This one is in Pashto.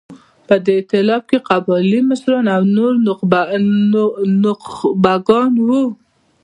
په دې اېتلاف کې قبایلي مشران او نور نخبګان وو.